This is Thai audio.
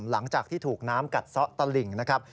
หลังจากที่ถูกน้ำกัดซะตะหลิ่งนะครับ